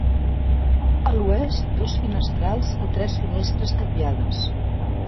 A l'oest dos finestrals i tres finestres tapiades.